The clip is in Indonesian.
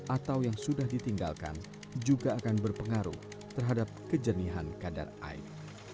atau yang sudah ditinggalkan juga akan berpengaruh terhadap kejernihan kadar air